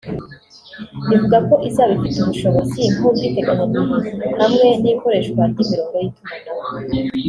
bivuga ko izaba ifite ubushobozi nk’ubw’iteganyagihe hamwe n’ikoreshwa ry’imirongo y’itumanaho